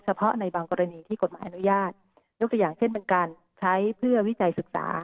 เพาะในบางกรณีที่กฎหมายอนุญาตยกตัวอย่างเช่นเป็นการใช้เพื่อวิจัยศึกษา